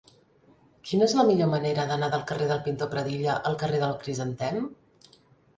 Quina és la millor manera d'anar del carrer del Pintor Pradilla al carrer del Crisantem?